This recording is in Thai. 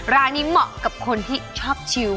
ร้านนี้เหมาะกับคนที่ชอบชิว